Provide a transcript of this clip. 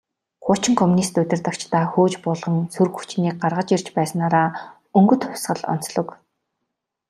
Хуучин коммунист удирдагчдаа хөөж буулган, сөрөг хүчнийг гаргаж ирж байснаараа «Өнгөт хувьсгал» онцлог.